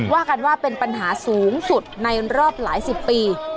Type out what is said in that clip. ว่ากันว่าเป็นปัญหาสูงสุดในรอบหลายสิบปี